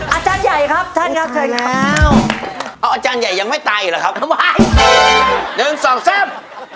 อาจารย์ใหญ่ครับอาจารย์ใหญ่ยังไม่ตายหรอครับ